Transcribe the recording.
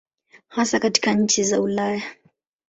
Hasa katika nchi za Ulaya.